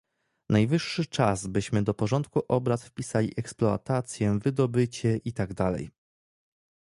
Najwyższy czas, byśmy do porządku obrad wpisali eksploatację, wydobycie i tak dalej